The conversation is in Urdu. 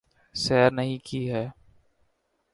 سیر نہیں کی ہے